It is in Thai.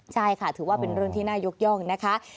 ใช่ค่ะถือว่าเป็นเรื่องที่น่ายกย่องนะคะ